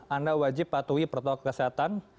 anda wajib patuhi protokol kesehatan